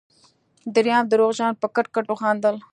دريم درواغجن په کټ کټ وخندل.